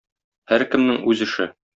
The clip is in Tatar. Һәркемнең үз эше.